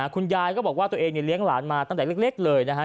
คุณยายก็บอกว่าตัวเองเนี่ยเลี้ยงหลานมาตั้งแต่เล็กเลยนะฮะ